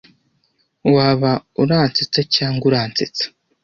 Waba uransetsa cyangwa uransetsa.